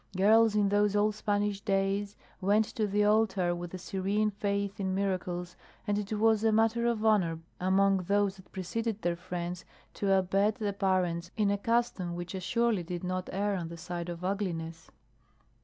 Girls in those old Spanish days went to the altar with a serene faith in miracles, and it was a matter of honor among those that preceded their friends to abet the parents in a custom which assuredly did not err on the side of ugliness.